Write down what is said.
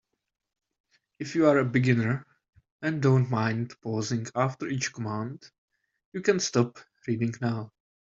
If you are a beginner and don't mind pausing after each command, you can stop reading now.